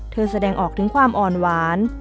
แสดงออกถึงความอ่อนหวาน